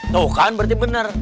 tuh kan berarti bener